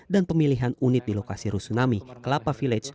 dan pemilihan unit di lokasi rusunami kelapa village